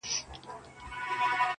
څوك به ويښ څوك به بيده څوك نا آرام وو!